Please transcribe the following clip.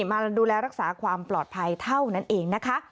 มาดูแลรักษาความปลอดภัยเท่านั้นเองนะคะ